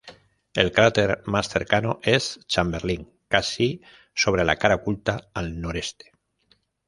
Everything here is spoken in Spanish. El cráter más cercano es Chamberlin, casi sobre la cara oculta, al noreste.